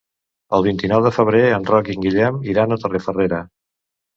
El vint-i-nou de febrer en Roc i en Guillem iran a Torrefarrera.